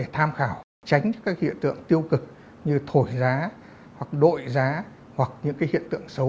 tham khảo tránh các hiện tượng tiêu cực như thổi giá hoặc đội giá hoặc những hiện tượng xấu